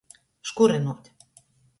Škurynuot.